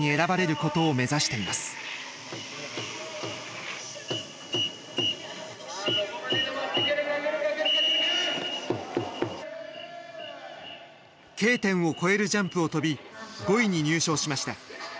Ｋ点を越えるジャンプを飛び５位に入賞しました。